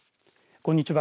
こんにちは。